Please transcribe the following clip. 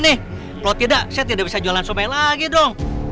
kalau tidak saya tidak bisa jualan somai lagi dong